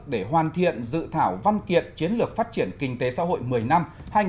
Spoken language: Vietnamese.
để hoàn thiện dự thảo văn kiện chiến lược phát triển kinh tế xã hội một mươi năm hai nghìn một mươi một hai nghìn ba mươi